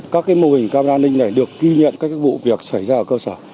các mô hình camera an ninh này được ghi nhận các vụ việc xảy ra ở cơ sở